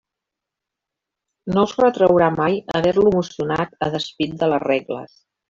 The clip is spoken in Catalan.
No us retraurà mai haver-lo emocionat a despit de les regles.